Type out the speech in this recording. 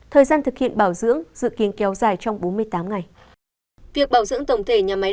thời gian thực hiện bảo dưỡng dự kiến kéo dài trong bốn mươi tám ngày